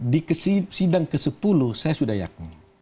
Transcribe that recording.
di sidang ke sepuluh saya sudah yakin